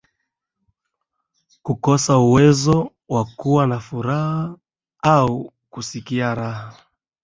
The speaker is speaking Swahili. Kukosa uwezo wa kuwa na furaha au kusikia raha